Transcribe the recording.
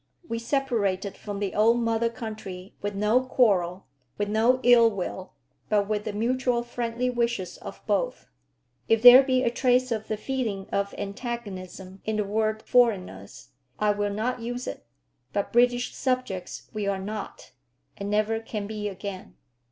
We separated from the old mother country with no quarrel, with no ill will; but with the mutual friendly wishes of both. If there be a trace of the feeling of antagonism in the word foreigners, I will not use it; but British subjects we are not, and never can be again."